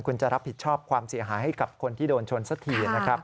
คุณจะรับผิดชอบความเสียหายให้กับคนที่โดนชนสักทีนะครับ